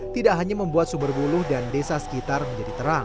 tidak hanya membuat sumberbuluh dan desa sekitar menjadi terang